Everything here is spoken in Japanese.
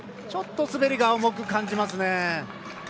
ちょっと滑りが重く感じますね。